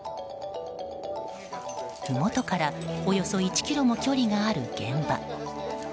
ふもとからおよそ１ｋｍも距離がある現場。